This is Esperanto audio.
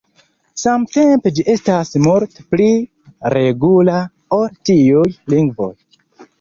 Samtempe ĝi estas multe pli regula ol tiuj lingvoj.